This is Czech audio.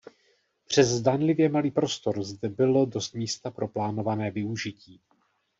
Přes zdánlivě malý prostor zde bylo dost místa pro plánované využití.